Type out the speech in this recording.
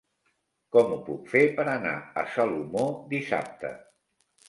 Com ho puc fer per anar a Salomó dissabte?